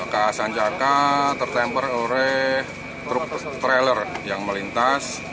ka sancaka tertemper oleh truk trailer yang melintas